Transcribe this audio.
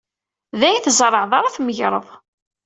D ayen tzerɛed ara tmegred.